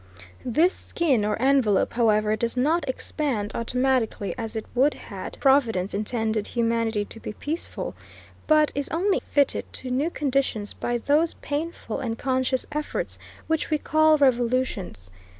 This skin, or envelope, however, does not expand automatically, as it would had Providence intended humanity to be peaceful, but is only fitted to new conditions by those painful and conscious efforts which we call revolutions.